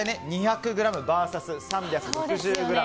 ２００ｇＶＳ３６０ｇ。